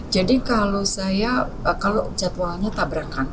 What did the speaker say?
jadi kalau saya kalau jadwalnya tabrakan